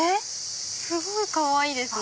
すごいかわいいですね！